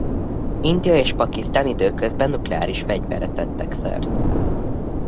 India és Pakisztán időközben nukleáris fegyverre tettek szert.